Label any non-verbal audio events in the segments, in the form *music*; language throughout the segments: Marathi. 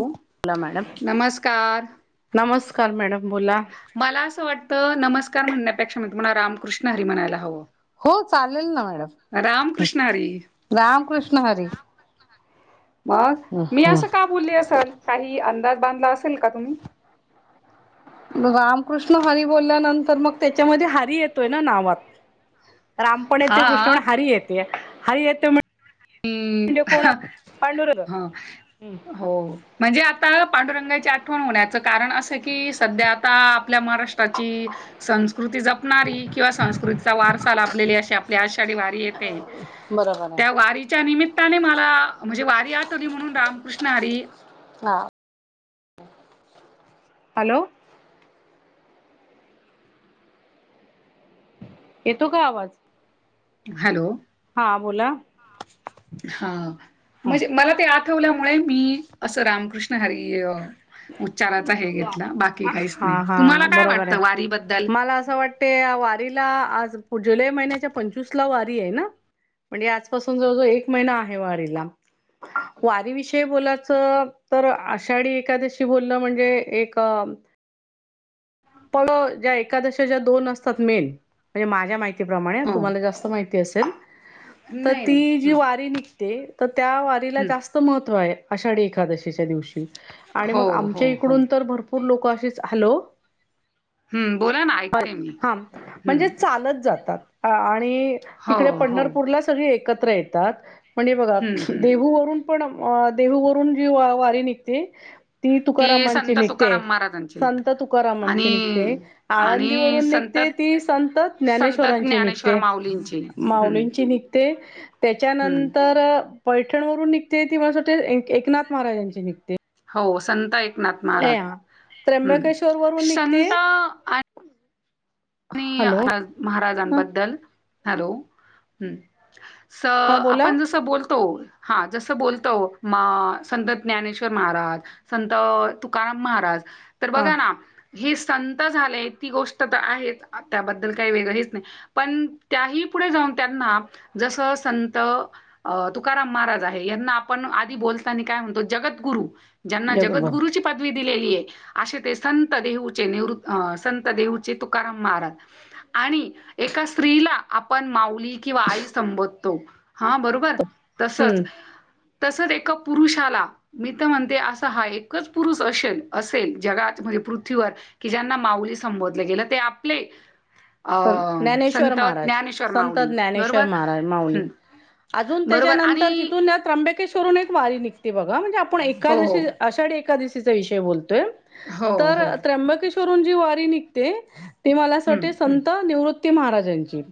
ह बोला मॅडम. नमस्कार नमस्कार मॅडम बोला मला असं वाटतं नमस्कार म्हणण्यापेक्षा मी तुम्हाला रामकृष्ण हरी म्हणायला हवं हो चालेल ना मॅडम रामकृष्ण हरी हम्म रामकृष्ण हरी मग मी असं का बोलली असेल काही अंदाज बांधला असेल का तुम्ही मग रामकृष्ण हरी बोलल्यानंतर मग त्याच्यामध्ये हरी येतोय ना नावात राम पण येते कृष्ण हा म्हण हरी येते हरी येते म्हण ह हा, पांडुरंग. हा हम्म हो म्हणजे आता पांडुरंगाची आठवण होण्याचं कारण असं की सध्या आता आपल्या महाराष्ट्राची संस्कृती जपणारी किंवा संस्कृतीचा वारसा लाभलेली अशी आपली आषाढी वारी येते बरोबर आहे च्या निमित्ताने मला म्हणजे वारी आठवली म्हणून रामकृष्ण आरी हा हॅलो येतो का आवाज हॅलो हा बोला हा. हा. म्हणजे मला ते आठवल्यामुळे मी असं रामकृष्ण हरि अ उच्चाराचा हे घेतला, बाकी काहीच हा नाही. हा तुम्हाला काय बरोबर आहे. वाटतं वारीबद्दल? मला असं वाट त्या वारीला आज जुलै महिन्याच्या पंचवीस ला वारीये ना? म्हणजे आजपासून जवळ जवळ एक महिना आहे वारीला. वारी विषयी बोलायचं तर आषाढी एखाद्याशी बोलण म्हणजे एक अ प ज्या एखकादशी ज्या दोन असतात मेन. म्हणजे माझ्या माहितीप्रमाणे अ. हो. तुम्हाला जास्त माहिती असेल. त नाही, नाही. ती जी हं, वारी निघते. त त्या वारीला हं. जास्त त महत्त्व आहे. आषाढी एकादशीच्या दिवशी. आणि मग हो, हो, आमच्या हो. इकडून तर भर पूर लोकं अशीच हॅलो. हम्म बोला ना. अ ऐकते मी. हा हं. म्हणजे चालत जातात. आणि हो, तिकडे हो. पंढरपूरला सगळी एक त्र येतात. म्हणजे बघा हं, हं. देहूवरून पण देहूवरून जी वारी निघते? ती तुकारामांची संत निघते. तुकाराम महाराजांची होती. संत तुकारामांचे निघते. आणि आणि आळंदीवररून संत निघते ती संत संत ज्ञानेश्वरांची ज्ञानेश्वर निघते. माऊलींची. हं, माउलींची निघते. हं. त्याच्यानंतर पैठण वरून निघते ती माल वाटते एक एकनाथ महाराजांची निघते. हो संत एकनाथ ए महाराज. हा हम्म. त्र्यंबकेश्वर वरून निघते संत हॅलो *unintelligible* ह महाराजांबद्दल. हॅलो हम्म. स हा बोला आपण जसं बोलतो. हा जसं बोलतो. मा संत ज्ञानेश्वर महाराज. संत तुकाराम महाराज. तर हा बघा ना. हे संत झाले ती गोष्ट तर आहेच. त्याबद्दल काही वेगळं हेच नाही. पण त्याही पुढे जाऊन त्यांना. जस संत अ तुकाराम महाराज आहे. यांना आपण आधी बोलताना काय म्हणतो? जगदगुरु. ज्यांना जगभर जगद्गुरुची पदवी दिलेली आहे. असे ते संत देहूचे निवृत्त संत देहूचे तुकारम महाराज. आणि एका स्त्रीला, आपण माऊली किंवा आई संबोधो तो. हा बरोबर. तसच हम्म तसच एका पुरुषाला मी तर म्हणते असा हा एकच पुरुष अशेल असेल. जगात म्हणजे पृथ्वीवर. की ज्यांना माऊली संबोधले गेलं. ते आपले अ संत ज्ञानेश्वर संत महाराज. ज्ञानेश्वर संत माऊली ज्ञानेश्वर बरोबर महाराज. माऊली. हम्म अजून बरोबर आणि त्याच्यानंतर. तिथून ना त्र्यबेके वरून एक वारी निघते बघा. म्हणजे आपण हो हो एकादशी आषाढी एकादशीचा विषय बोलतोय. हो तर हो त्र्यंबकेश्वरून जी वारी निघते. ती मला अस वाट हम्म हम्म निवृत्ती महाराजांची.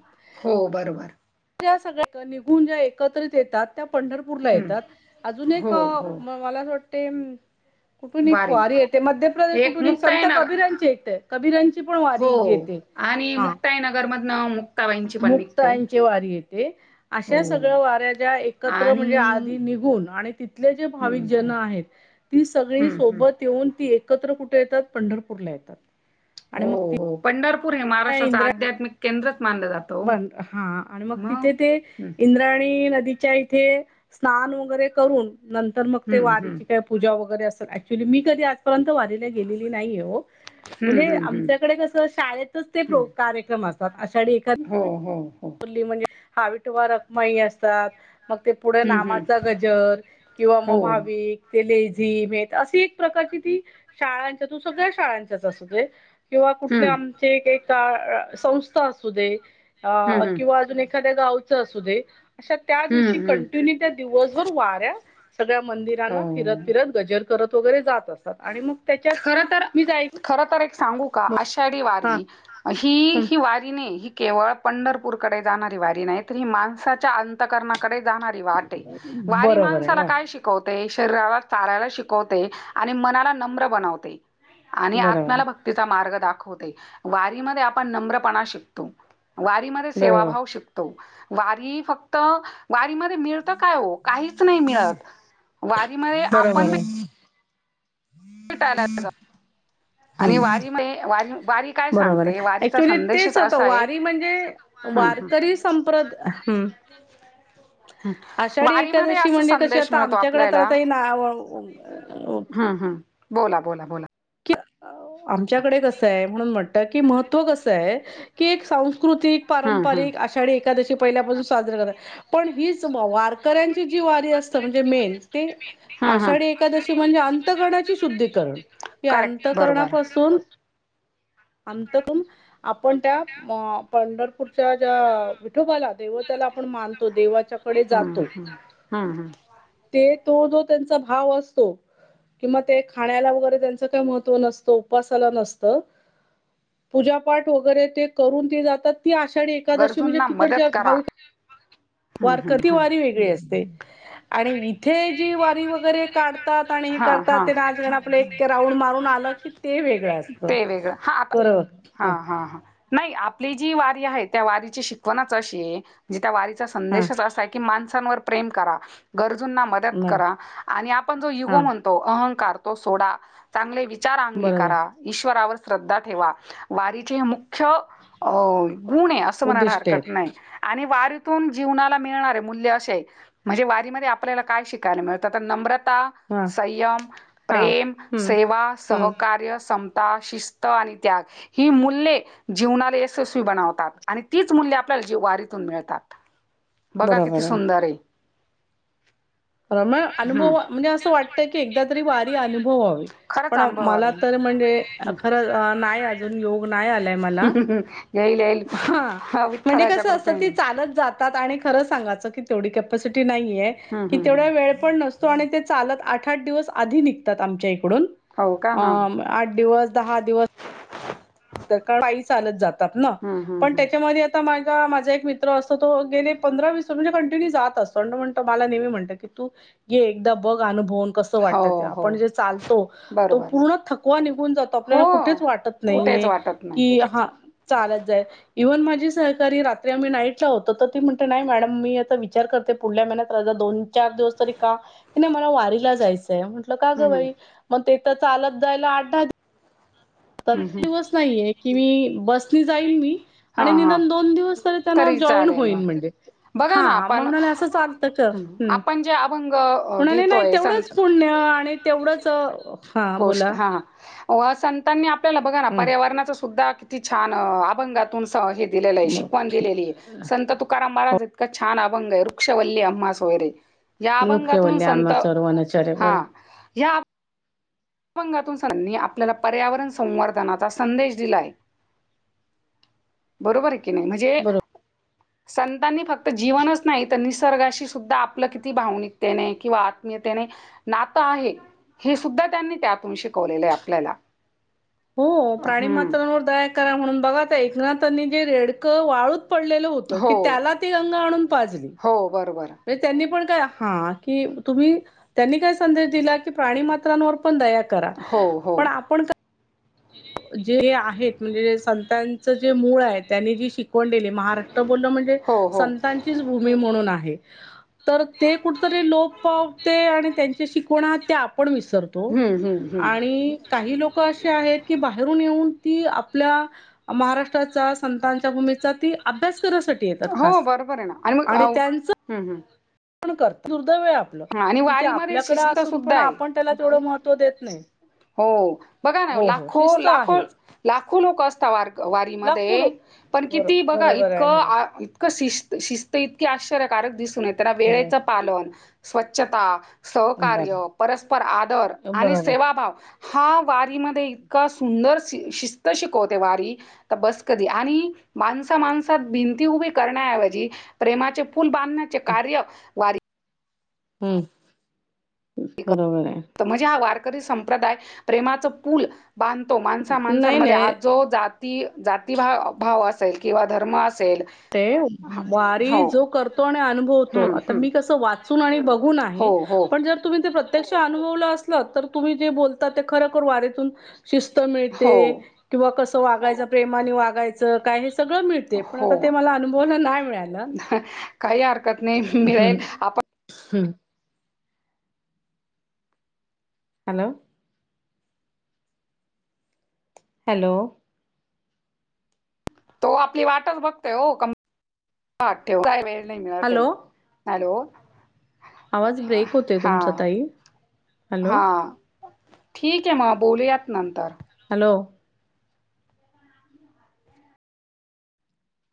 हो बरोबर. त्या सगळ्या निघून ज्या एकत्रित येतात. त्या पंढरपूरला हम्म येतात. अजून एक हो हो मला अस वाटतेे. कुठून एक वारी येते. मध्य प्रदेश कुठून एक मुक्ताई संत नगर कबीरांची येते. कबीरांची पण वारी जी हो. येते. आणि मुक्ताई नगर मधन मुक्ताबाईंची पण नी मुक्ताईचे वारी येते. अशा सगळ वाऱ्या ज्या एकत्र आणि म्हणजे आधी निघून आणि तिथले जे भाविक हं, जन हं. आहेत ती सगळी हं, हं. सोबत येऊन ती एकत्र कुठ येतात पंढरपूरला येतात. आणि हो मग हो पंढरपूर हे महाराष्ट्राच आध्यात्मिक केंद्रच मानलं जातं. ओ. बंद हा आणि मग तिथे ते इंद्राणी नदी च्या इथे स्नान वगैरे करून नंतर मग ते हं, वारी हं. ची काय पूजा वगैरे असल ऍक्च्युली मी कधी आजपर्यंत वाारीला गेलेली नाहीय ओ. हं, म्हणजे हं, हं. आमच्याकडे कस शाळेतच ते हं. प्रो - कार्यक्रम असतात आषाढी एका हो हो हो. आपली म्हणजे विठोबा रखुमाई असतात मग ते पुढ हं, हं. नामाचा गजर किंवा म हो. भाविक ते लेझीम त अशी एक प्रकारची ती शाळांच्या तू सगळ्या शाळांच्याच असू दे किंवा कुठले हं. आमचे एका संस्था असू दे हं, हं. म अजुन एखाद्या गावच असुदे अशा त्या दिवशी हं, हं. कंटिन्यू त्यात दिवसभर वाऱ्यात सगळ्या मंदिरांना फिरत हो. फिरत गजर करत वगैरे जात असत. आणि मग त्याच्या खर तर खर तर एक सांगू का आषाढी हा वारी ही ही वारी नाही ही केवळ पंढरपूरकडे जाणारी वारी नाही तर ही माणसाच्या अंतर अंतःकरणा कडे जाणारी वाटय वारी बरोबर आहे माणसाला वा काय शिक शिकवते शरीराला चालायला शिकवते आणि मनाला नम्र बनवते. आणि बरोबर आत्म्याला भक् -क्तीचा मार्ग दाखवते वारी मध्ये आपण नम्रपणा शिकतो. वारीमध्ये सेवा बरोबर भाव शिकतो वारी फक्त वारी मध्ये मिळ फक्त काय ओ काहीच नाही मिळतं वारी मध्ये बरोबर आपण बी आहे भेटायला जा - - आणि हम्म वारी म वारी वारी काय बरोबर सांगतेय आहे वारीचा ऍक्च्युली संदेशच तेच होतं असा आहे. वारी म्हणजे हम्म हम्म वारकरी संप्रदा हम् *unintelligible* हम्म आषाढी वारीमध्ये एकादशी असा म्हणजे कशी संदेश आता मिळतो आमच्याकड तर आपल्याला आता न म ओ अ हम्म हम् बोला बोला बोला. की आमच्याकडे कसं आहे म्हणून म्हणत की महत्त्व कसंय की एक सांस्कृतिक हम्म हम्म पारंपरिक आषाढी एकादशी पहिल्यापासून साजर करत पण हीच वार कऱ्यांची जी वारी असत म्हणजे मेन ते हम्म हम्म आषाढी एकादशी म्हणजे अंतकरणाची शुद्धीकरण. करेक्ट बरोबर अंतकरणापासून अंत पण आपण त्या मा पंढरपूरच्या ज्या विठोबाला देवताला आपण मानतो देवाच्या कडे हम्म जातो. हम्म हम्म हम्म ते तो जो त्यांचा भाव असतो किंवा ते खाण्याला वगैरे त्यांच ते महत्त्व नसतं उपवासाला नसतं. पूजापाठ वगैरे ते करून तो जातात ती आषाढी एका दशी म्हणजे गरजूंना मदत तिकडच्या करा भाविक हम्म वारकरी हम्म ती हम्म वारी वेगळी असते. आणि इथे जी वारी वगैरे काढतात आणि हे हा करतात हा ते नायगाणं रांजण आपले - - एक राऊंड मारून आलं की आणत ते वेगळं असत ते वेगळं हा आता परत हा हा हा नाही आपली जी वारी आहे त्या वारीची शिकवणाच अशी आहे म्हणजे त्या वारीचा हा हा संदेशच असाय की माणसांवर प्रेम करा गरजूंना मदत बरोबर करा आणि आपण जो युगो हा म्हण तो अहंकार तो सोडा चांगले विचार अंगी बरोबर करा. ईश्वरावर श्रद्धा ठेवा वारीचे हे मुख्य अ -गुण ए असं म्हणाला उद्दिष्टे आहेत हरकत नाय आणि वारीतून जीवनाला मिळणार मूल्य अशे आय. म्हणजे वारीमध्ये आपल्याला काय शिकायला मिळतं आता नम्रता हा संयम, हा प्रेम, हम्म सेवा, हम्म सहकार्य, स ता, शिस्त आणि त्याग ही मूल्य जीवनाला यशस्वी बनवतात. आणि तीच मूल्य आपल्याला जी वारीतून मिळतात बघा किती बरोबर आहे सुंदर ए. अनुभवा म्हणजे असं वाटत की एकदा तरी वारी अनुभावी. खरंच पण अनुभवावी. मला तर म्हणजे हं. खरं नाय अजून योग नाय आलाय मला हा. थलाच्या ग्रुप तर ते चालत जातात आणि खरं सांगायचं की तेवढी कॅपसिटी नाहीये. हं कि हं तेवढा हं. वेळ पण नसतो आणि ते चालत आठ आठ दिवस आधी निघतात आमच्या इकडून. हो का हां. अ- आठ दिवस दहा दिवस *inaudible* चालत जातात ना हं हं पण हं. त्याच्यामध्ये आता माझा माझा एक मित्र असतो तो गेले पंधरा वीस म्हणजे कंटिन्यू जात असतो म्हणतो मला नेहमी म्हणत की तू हे एकदा बघ अनुभवून कसं हो वाटतं ते हो. आपण जे चालतो. तो बरोबर पूर्ण थकवा निघून जातो आपल्याला हो कुठेच वाटत कुठेच नाहीये. वाटत नाही की हा चालत जायल. इव्हन माझी सहकारी रात्री आम्ही नाईटला होतो तर ती म्हणते नाय मॅडम मी आता विचार करते पुढल्या महिन्यात दोन चार दिवस तरी का? काय नाय मला वारीला जायचंय. म्हटलं का ग हं, हं. बाई म तेत चालत जायला आठ दहा हं, हं. दिवस नाहीये की मी बस जाईन मी आणि हां, हां. निदान दोन दिवस तरी त्यांना जॉईन चालेल मला. होईन म्हणजे. बघा ना हा म आपण म्हणाले असं चालतं का? हं, हम् आपण जे अभंग अ, म्हणाले नाय घेतोय तेवढंच संत पुण्य आणि तेवढंच हा बोला गोष्ट हा संतांनी आपल्याला बघा ना पर्यावरणाच सुद्धा की ती छान अभंगातून स हे दिलेलं हाय हम्म शिकव. दिलेली ए संत तुकाराम महाराज इतका छान अभंग आय वृक्षवल्ले आम्हा सोयरे. या लोके अभंगातून बोलले संत आम्हा सर्वनाचार्य हा बर या भंगातून संतानी आपल्याला पर्यावरण संवर्धनाचा संदेश दिलाय. बरोबर ए की नाय म्हणजे बरोबर संतांनी फक्त जीवनच नाय तर निसर्गाशी सुद्धा आपलं किती भावनिकतेने किंवा आत्मीयतेने नातं आहे हे सुद्धा त्यांनी त्यातून शिकवलेलं ए आपल्याला. हो प्राणी हम्म मात्रांवर दया करा म्हणून बघा त्या एकनाथांनी जे रेडकं वाळूत पडलेलं होत की हो त्याला ती अगं आणून पाजली. हो बरोबर. म्हणजे त्यांनी पण काय हा की तुम्ही त्यांनी काय संदेश दिला की प्राणी मात्रांवर पण दया करा. हो हो पण आपण जे आहेत म्हणजे संतांच जे मूळ आहे त्यांनी जी शिकवण दिली महाराष्ट्र बोललं म्हणजे हो हो संतांचीच भूमी म्हणून आहे. तर ते कुठेतरी लोप पावते आणि त्यांची शिकवना ते आपण विसर तो. हं, हं, हं. आणि काही लोक अशे आहेत की बाहेरून येऊन ती आपल्या महाराष्ट्राचा संतांच्या भूमीचा ती अभ्यास करायसा हो बरोबर आहे ना आणि मग उम हम हम ण कर दुर्दैव आपलं कि ते वारीमध्ये आपल्याकडे शिस्त असून सुद्धा पण आहे. आपण त्याला तेवढं महत्त्व देत नाही. हो बघा ना हो हो लाखो शिस्त लाखो आहेच लाखो लोक असतात वार क लाखो वारीमध्ये. लोक पण बरो किती बघा बरोबर आहे इतकं हो आ शिस्त शिस्त इतकी आश्चर्यकारक दिसून येते ना वेळेचं बरोबर पालन स्वच्छता सहकार्य, बर परस्पर आदर आणि बरोबर सेवाभाव. हा वारीमध्ये इतका सुंदर श शिस्त शिकवते वारी. तर बस कधी आणि माणसा माणसात भिंती उभी करण्याऐवजी प्रेमाचे फूल बांधण्याचे कार्य वारी - - हम्म. बरोबर आहे. त म्हणजे हा वारकरी संप्रदाय प्रेमाचं पूल बांधतो माणसा नाही माणसांमध्ये नाही आज जो जात ती जाती भा भाव असेल किंवा धर्म असेल ते ह वारी हो जो करतो आणि अनुभवतो हं, आता हं. मी कसं वाचून आणि बघून आहे. हो हो. पण जर तुम्ही ते प्रत्यक्ष अनुभवलं असल तर तुम्ही जे बोलता ते खरोखर वारीतून शिस्त मिळते हो, किंवा कसं वागायच प्रेमाने वागायचं काय हे सगळं मिळते. तर हो. ते मला अनुभवायल नाही मिळालं. काही हरकत नाही हम्म. मिळेल आपण हम्म. हॅलो! हॅलो! तो आपली वाटच बघतय ओ *unintelligible* काय वेळ नाही हॅलो मिळतय. हॅलो! आवाज ब्रेक होते तुमचा हा. ताई हॅलो हा. ठीकाय मग बोलूयात नंतर हॅलो!